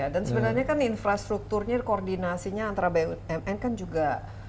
dan sebenarnya kan infrastrukturnya koordinasinya antara bumn kan juga